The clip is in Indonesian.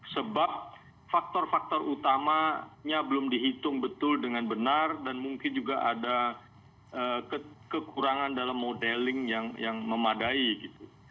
sebab faktor faktor utamanya belum dihitung betul dengan benar dan mungkin juga ada kekurangan dalam modeling yang memadai gitu